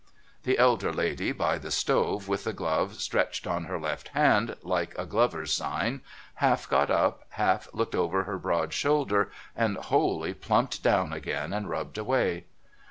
The elder lady by the stove, with the glove stretched on her left hand, like a glover's sign, half got up, half looked over her broad shoulder, and wholly plumped down again and rubbed away.